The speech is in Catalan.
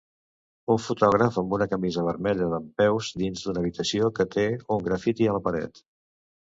Un fotògraf amb una camisa vermella dempeus dins d'una habitació que té un grafiti a la paret